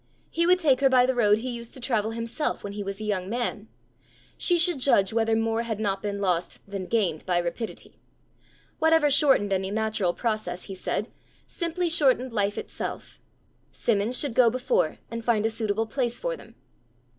He would take her by the road he used to travel himself when he was a young man: she should judge whether more had not been lost than gained by rapidity! Whatever shortened any natural process, he said, simply shortened life itself. Simmons should go before, and find a suitable place for them!